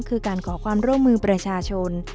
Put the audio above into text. คือการขอความร่วมมือประชาชน